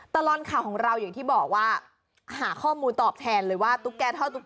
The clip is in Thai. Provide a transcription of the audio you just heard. ตลอดข่าวของเราอย่างที่บอกว่าหาข้อมูลตอบแทนเลยว่าตุ๊กแกท่อตุ๊ก